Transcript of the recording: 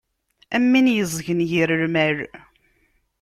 Am win yeẓgen yir lmal.